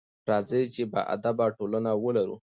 راځئ چې باادبه ټولنه ولرو.